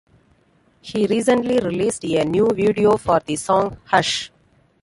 He recently released a new video for the song "Hush".